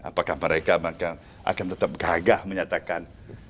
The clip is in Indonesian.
apakah mereka akan tetap gagah menyatakan